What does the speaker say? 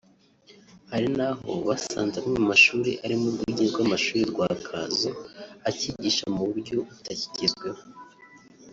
Hari n’aho basanze amwe mu mashuri arimo Urwunge rw’Amashuri rwa Kazo acyigisha mu buryo butakigezweho